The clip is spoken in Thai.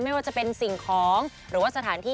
ไม่ว่าจะเป็นสิ่งของหรือว่าสถานที่